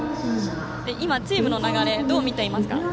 今、チームの流れどう見ていますか？